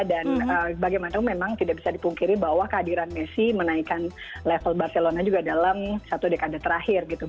dan bagaimanapun memang tidak bisa dipungkiri bahwa kehadiran messi menaikkan level barcelona juga dalam satu dekade terakhir gitu